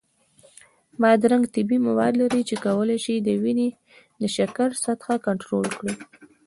بادرنګ طبیعي مواد لري چې کولی شي د وینې د شکر سطحه کنټرول کړي.